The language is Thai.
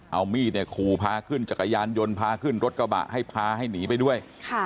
เอามีดเนี่ยขู่พาขึ้นจักรยานยนต์พาขึ้นรถกระบะให้พาให้หนีไปด้วย